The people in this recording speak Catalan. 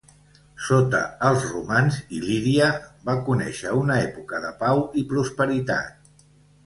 Sota els romans, Il·líria va conèixer una època de pau i prosperitat.